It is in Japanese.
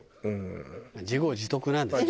自業自得なんだけどね。